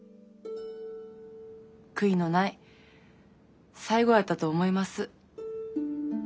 悔いのない最期やったと思います。